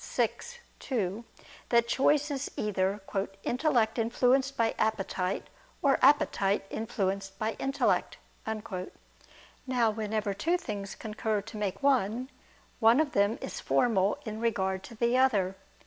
vi, 2) that choice is either "intellect influenced by appetite or appetite influenced by intellect." Now whenever two things concur to make one, one of them is formal in regard to the other.